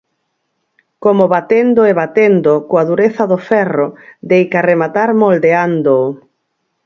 Como batendo e batendo coa dureza do ferro deica rematar moldeándoo.